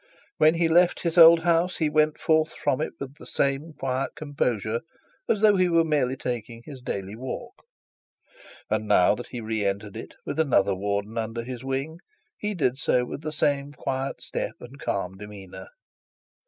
When he left his old house, he went forth from it with the same quiet composure as though he were merely taking his daily walk; and now that he re entered it with another warden under his wing, he did so with the same quiet step and calm demeanour.